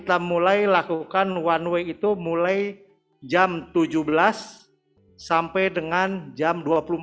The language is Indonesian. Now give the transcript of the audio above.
pembelian one way itu mulai jam tujuh belas sampai dengan jam dua puluh empat